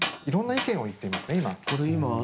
いろんな意見を言っていますね。